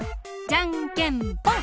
じゃんけんぽん！